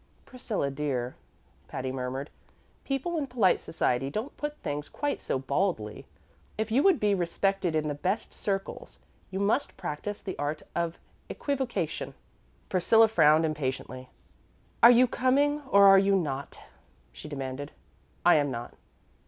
"Priscilla dear," Patty murmured, "people in polite society don't put things quite so baldly. If you would be respected in the best circles, you must practise the art of equivocation." Priscilla frowned impatiently. "Are you coming, or are you not?" she demanded. "I am not."